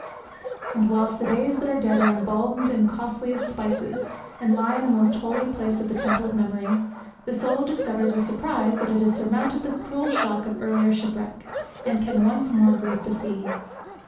And whilst the days that are dead are embalmed in costliest spices, and lie in the most holy place of the temple of memory, the soul discovers with surprise that it has surmounted the cruel shock of earlier shipwreck, and can once more greet the sea.